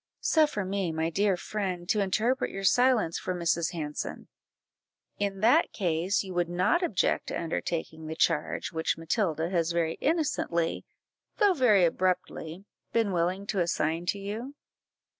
"Suffer me, my dear friend, to interpret your silence for Mrs. Hanson; in that case you would not object to undertaking the charge which Matilda has very innocently, though very abruptly, been willing to assign to you?"